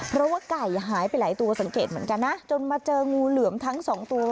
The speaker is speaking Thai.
เพราะว่าไก่หายไปหลายตัวสังเกตเหมือนกันนะจนมาเจองูเหลือมทั้งสองตัว